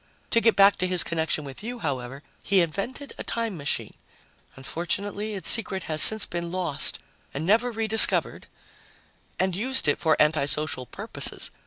To get back to his connection with you, however, he invented a time machine unfortunately, its secret has since been lost and never re discovered and used it for anti social purposes.